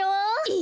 え